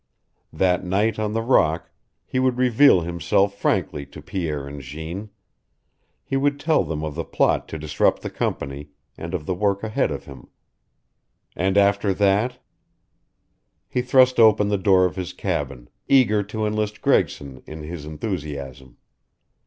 That nights on the rock, he would reveal himself frankly to Pierre and Jeanne. He would tell them of the plot to disrupt the company, and of the work ahead of him. And after that He thrust open the door of his cabin, eager to enlist Gregson in his enthusiasm.